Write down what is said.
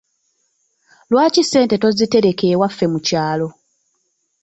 Lwaki ssente tozitereka ewaffe mu kyalo.